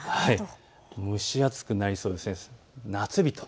蒸し暑くなりそうです。